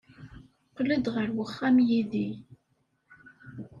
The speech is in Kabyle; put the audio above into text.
Qqel-d ɣer wexxam yid-i.